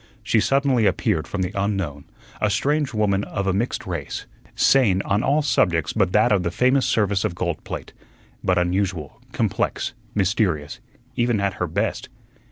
She suddenly appeared from the unknown, a strange woman of a mixed race, sane on all subjects but that of the famous service of gold plate; but unusual, complex, mysterious, even at her best.